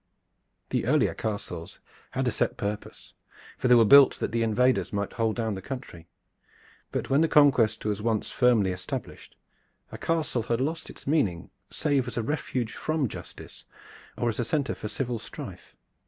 The earlier castles had a set purpose, for they were built that the invaders might hold down the country; but when the Conquest was once firmly established a castle had lost its meaning save as a refuge from justice or as a center for civil strife.